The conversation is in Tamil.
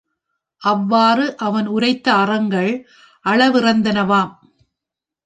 அவ்வாறு அவன் உரைத்த அறங்கள் அளவிறந்தனவாம்.